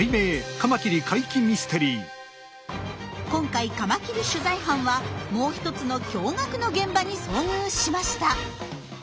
今回カマキリ取材班はもう一つの驚がくの現場に遭遇しました。